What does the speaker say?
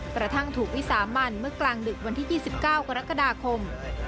กระทั่งถูกวิสามันเมื่อกลางดึกวันที่๒๙กรกฎาคม